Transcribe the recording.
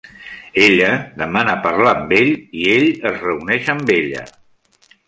Ella demana parlar amb ell i ell es reuneix amb ella.